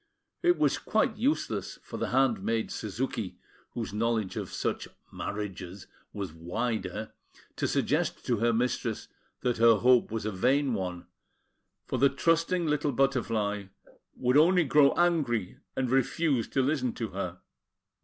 It was quite useless for the handmaid, Suzuki, whose knowledge of such "marriages" was wider, to suggest to her mistress that her hope was a vain one; for the trusting little Butterfly would only grow angry, and refuse to listen to her.